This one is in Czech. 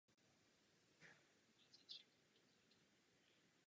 Bylo to také místo narození prince Philipa vévody z Edinburghu.